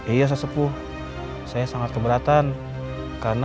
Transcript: iya ustad sepuh saya sangat keberatan